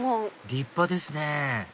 立派ですねぇ